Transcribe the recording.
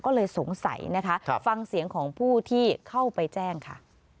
ก็เลยสงสัยนะคะฟังเสียงของผู้ที่เข้าไปแจ้งค่ะ